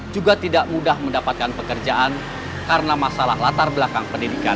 juga tidak mudah mendapatkan pekerjaan karena masalah latar belakang pendidikan